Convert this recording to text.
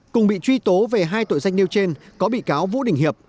cùng bị truy tố về hai tội danh nêu trên có bị cáo vũ đình hiệp